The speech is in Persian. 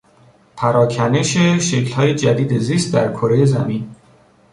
پراکنش شکلهای جدید زیست در کرهی زمین